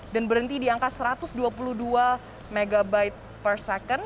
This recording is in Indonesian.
dan berhenti di angka satu ratus dua puluh dua megabyte per second